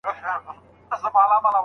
آیا غرنۍ لاري تر هوارو لارو خطرناکي دي؟